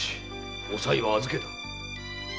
おさいは預ける。